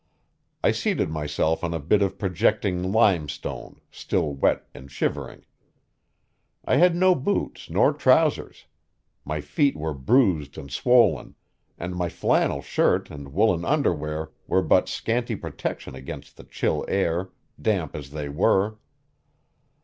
I seated myself on a bit of projecting limestone, still wet and shivering. I had no boots nor trousers; my feet were bruised and swollen, and my flannel shirt and woolen underwear were but scanty protection against the chill air, damp as they were.